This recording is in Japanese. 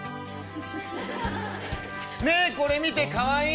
「ねえこれ見てかわいい！